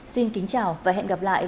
xin kính chào và hẹn gặp lại